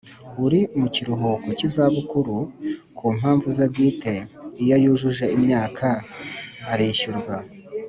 Uri mu kiruhuko cy’izabukuru ku mpamvu ze bwite iyo yujuje imyaka arishyurwa